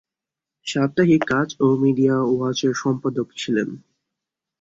সাপ্তাহিক কাগজ ও মিডিয়া ওয়াচের সম্পাদক ছিলেন।